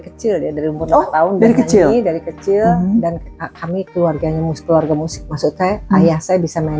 kecil dari umur enam tahun dari kecil dan kami keluarga musik maksudnya ayah saya bisa main